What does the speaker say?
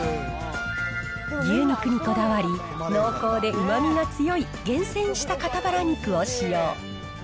牛肉にこだわり、濃厚でうまみが強い厳選した肩バラ肉を使用。